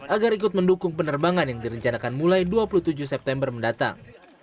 agar ikut mendukung penerbangan yang direncanakan mulai dua puluh tujuh september mendatang